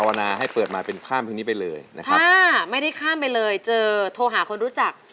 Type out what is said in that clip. วนาให้เปิดมาเป็นข้ามเพลงนี้ไปเลยนะครับถ้าไม่ได้ข้ามไปเลยเจอโทรหาคนรู้จัก